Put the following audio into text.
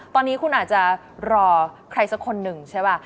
ตอนนี้คุณอาจจะรอใครสักคนหนึ่งใช่ป่ะ